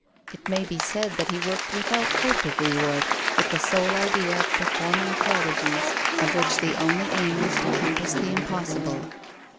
It may be said that he worked without hope of reward, with the sole idea of ])erforming prodigies, of which the only aim was to compass the impossible.